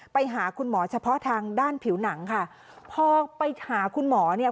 ไปหาคุณหมอเฉพาะทางด้านผิวหนังค่ะพอไปหาคุณหมอเนี่ย